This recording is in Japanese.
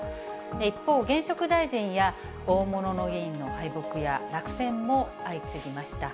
一方、現職大臣や大物議員の敗北や落選も相次ぎました。